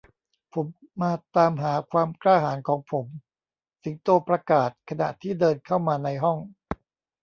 ผมมาตามหาความกล้าหาญของผม สิงโตประกาศขณะที่เดินเข้ามาในห้อง